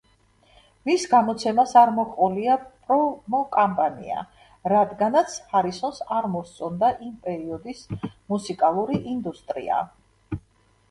მის გამოცემას არ მოჰყოლია პრომოკამპანია, რადგანაც ჰარისონს არ მოსწონდა იმ პერიოდის მუსიკალური ინდუსტრია.